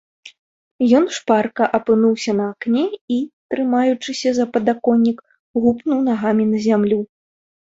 Ён шпарка апынуўся на акне і, трымаючыся за падаконнік, гупнуў нагамі на зямлю.